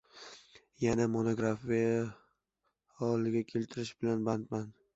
Yangi monografiya holiga keltirish bilan bandman.